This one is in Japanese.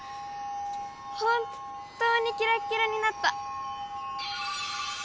本当にキラッキラになった。